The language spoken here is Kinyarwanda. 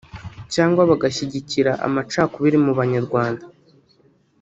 cyangwa bagashyigikira amacakubiri mu Banyarwanda